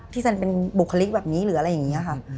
แซนเป็นบุคลิกแบบนี้หรืออะไรอย่างนี้ค่ะ